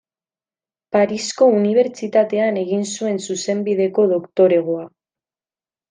Parisko Unibertsitatean egin zuen zuzenbideko doktoregoa.